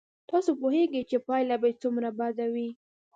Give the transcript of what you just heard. تاسو پوهېږئ چې پایله به یې څومره بد وي.